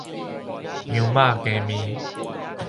羊肉羹麵